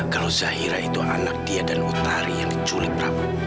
kalau zahira itu anak dia dan utari yang diculik prabu